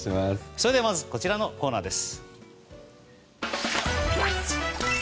それではまずこちらのコーナーです。